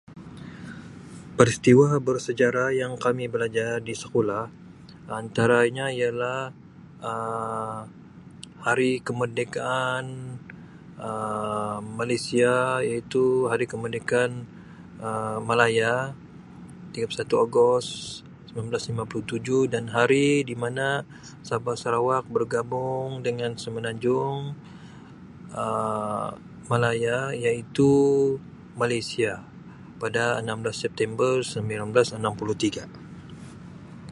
Peristiwa bersejarah yang kami belajar di sekolah antaranya ialah Um hari kemerdekaan Um Malaysia iaitu Hari Kemerdekaan Um Malaya, tiga puluh satu Ogos sembilan belas lima puluh tujuh dan hari di mana Sabah Sarawak bergabung dengan Semenanjung Um Malaya iaitu Malaysia pada enam belas September sembilan belas enam puluh tiga.